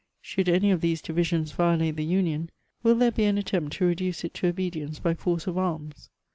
Should any of these divisions violate the union, will there be an attempt to reduce it to obedience by force of arras